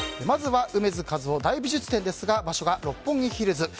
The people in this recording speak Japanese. まずは「楳図かずお大美術展」ですが場所が六本木ヒルズ。